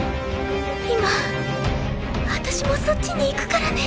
今あたしもそっちに行くからね。